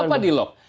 kenapa di lock